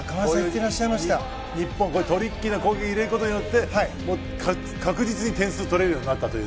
日本はトリッキーな攻撃を入れることによって確実に点数を取れるようになったという。